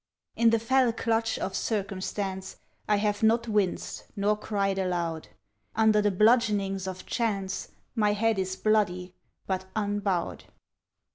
In the fell clutch of circumstance I have not winced nor cried aloud; Under the bludgeonings of chance My head is bloody, but unbowed.